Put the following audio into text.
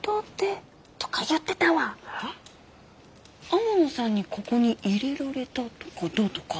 「天野さんにここに入れられた」とかどうとか。